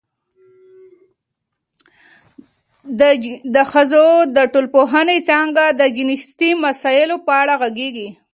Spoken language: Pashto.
د ښځو د ټولنپوهنې څانګه د جنسیتي مسایلو په اړه غږېږي.